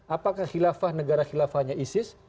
apakah khilafah negara khilafahnya isis